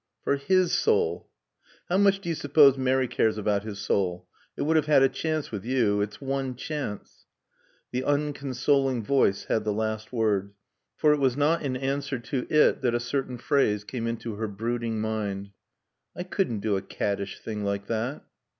"For his soul." "How much do you suppose Mary cares about his soul? It would have had a chance with you. Its one chance." The unconsoling voice had the last word. For it was not in answer to it that a certain phrase came into her brooding mind. "I couldn't do a caddish thing like that."